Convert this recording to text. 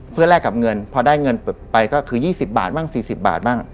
เพื่อแลกกับเงินพอได้เงินไปก็คือ๒๐บาทบ้าง๔๐บาทบ้าง